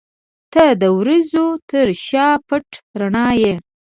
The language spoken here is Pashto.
• ته د وریځو تر شا پټ رڼا یې.